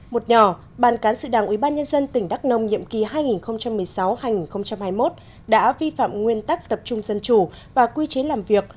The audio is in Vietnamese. một nhỏ ban cán sự đảng ủy ban nhân dân tỉnh đắk nông nhiệm kỳ hai nghìn một mươi sáu hai nghìn hai mươi một đã vi phạm nguyên tắc tập trung dân chủ và quy chế làm việc